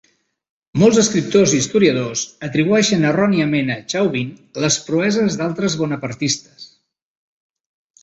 Molts escriptors i historiadors atribueixen erròniament a Chauvin les proeses d'altres bonapartistes.